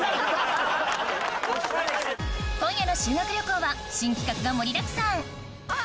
今夜の修学旅行は新企画が盛りだくさん